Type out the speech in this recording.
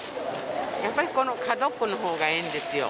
やっぱりこの角っこの方がええんですよ。